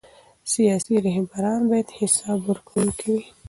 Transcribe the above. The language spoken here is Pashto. سیاسي رهبران باید حساب ورکوونکي وي